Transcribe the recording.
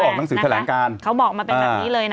หนังสือแถลงการเขาบอกมาเป็นแบบนี้เลยนะ